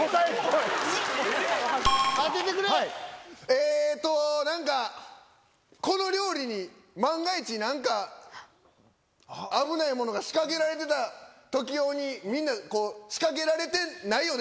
えっと何かこの料理に万が一何か危ないものが仕掛けられてた時用にみんなこう仕掛けられてないよね。